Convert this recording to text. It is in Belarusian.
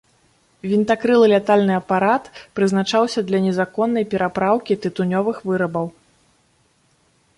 Вінтакрылы лятальны апарат прызначаўся для незаконнай перапраўкі тытунёвых вырабаў.